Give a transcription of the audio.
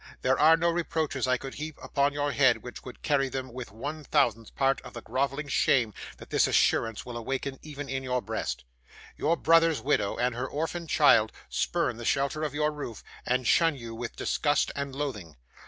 There are no reproaches I could heap upon your head which would carry with them one thousandth part of the grovelling shame that this assurance will awaken even in your breast. 'Your brother's widow and her orphan child spurn the shelter of your roof, and shun you with disgust and loathing.